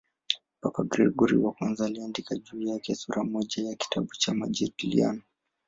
Papa Gregori I aliandika juu yake sura moja ya kitabu cha "Majadiliano".